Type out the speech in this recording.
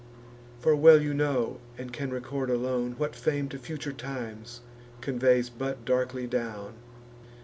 For well you know, and can record alone, What fame to future times conveys but darkly down.